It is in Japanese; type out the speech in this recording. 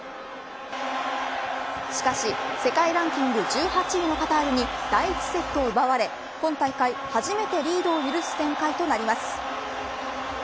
しかし世界ランキング１８位のカタールに第１セットを奪われ、今大会初めてリードを許す展開となります。